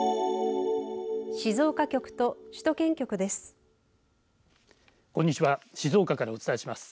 静岡局と首都圏局です。